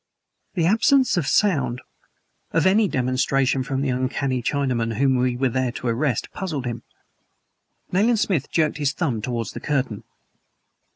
The absence of sound of any demonstration from the uncanny Chinaman whom he was there to arrest puzzled him. Nayland Smith jerked his thumb toward the curtain.